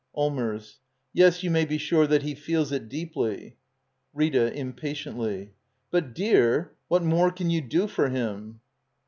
Allmers. Yes, you may be sure that he feels it deeply. Rita. [Impatiently.] But, dear — what more can you do for him?